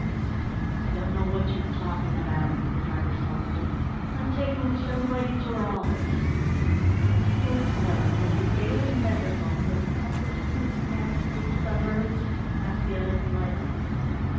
"I don't know what you're talking about," said the driver sulkily. "I'm taking this young lady to her office." "Since when has the Daily Megaphone been published in the ghastly suburbs?" asked the other politely.